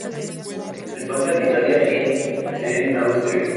Se encuentra en Italia y en Austria.